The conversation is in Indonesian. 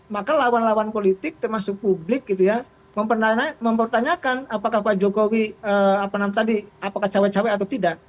maka lawan lawan politik termasuk publik gitu ya mempertanyakan apakah pak jokowi apakah cawe cawe atau tidak